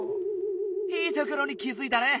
いいところに気づいたね！